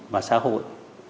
và xã hội